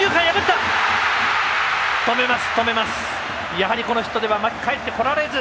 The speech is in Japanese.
やはり、このヒットでは牧かえってこられず。